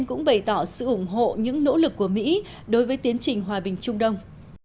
đều đề tỏ sự ủng hộ những nỗ lực của mỹ đối với tiến trình hòa bình trung đông